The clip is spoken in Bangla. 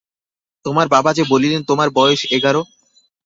তোমার বাবা যে বলিলেন, তোমার বয়স এগারো।